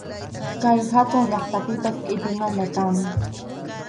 Kay hatun llaqtapipas qʼipinalla kan.